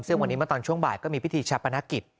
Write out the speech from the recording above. ซึ่งวันนี้มาตอนช่วงบ่ายก็มีพิธีชัพนาคิด